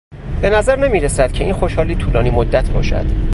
بنظر نمی رسد که این خوشحالی طولانی مدت باشد.